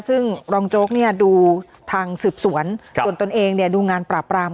ซึ่งรองโจ๊กดูทางสืบสวนส่วนตนเองดูงานปราบราม